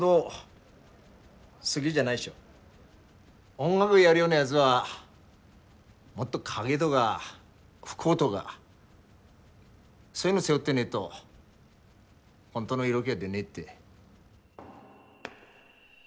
音楽やるようなやづはもっと影とか不幸とかそういうの背負ってねえと本当の色気は出ねえって。